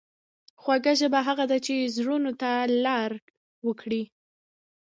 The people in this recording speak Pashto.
خوږه ژبه هغه ده چې زړونو ته لار وکړي.